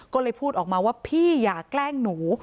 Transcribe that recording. ก็เลยพูดออกมาว่าพี่อย่าแกล้งหนู